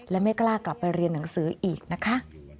และไม่กล้ากลับไปเรียนหนังสืออีกนะคะ